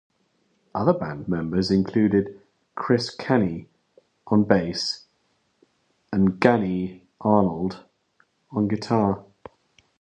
Other band members include Chris Chaney on bass and Gannin Arnold on guitar.